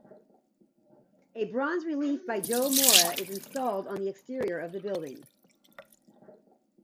A bronze relief by Jo Mora is installed on the exterior of the building.